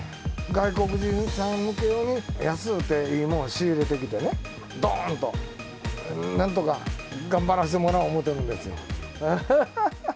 外国人さん向け用に、安うていいもん、仕入れてきてね、どーんと、なんとか頑張らせてもらおう思うてるんですよ。